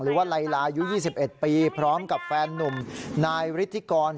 หรือว่าลายลายยูยี่สิบเอ็ดปีพร้อมกับแฟนนุ่มนายฤทธิกร